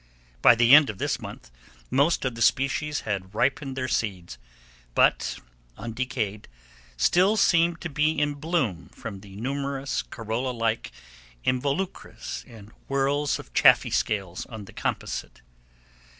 By the end of this month, most of the species had ripened their seeds, but undecayed, still seemed to be in bloom from the numerous corolla like involucres and whorls of chaffy scales of the composite.